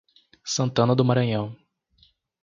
Santana do Maranhão